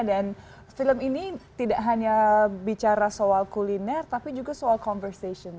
dan film ini tidak hanya bicara soal kuliner tapi juga soal conversation